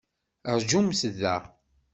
Rajumt da!